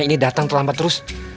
ini datang terlambat terus